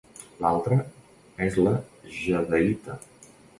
L'altre és la jadeïta.